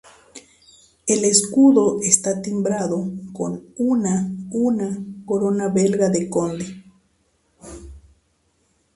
El escudo está "timbrado" con una una corona belga de conde.